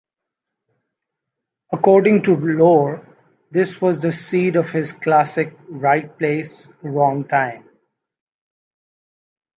According to lore, this was the seed of his classic, Right Place, Wrong Time.